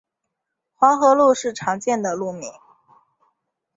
黄河路是常见的路名。